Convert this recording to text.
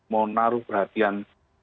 mau naruh perhatian